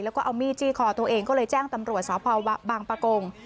แล้วก็เอามีดจี้คอตัวเองก็เลยแจ้งตำรวจสพวะบางประกง